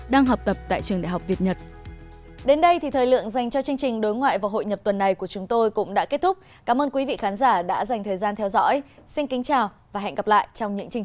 đang học tập tại trường đại học việt nhật